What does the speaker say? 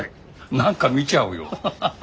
何か見ちゃうよアハハハ。